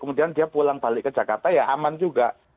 kemudian dia pulang balik ke jakarta ya aman juga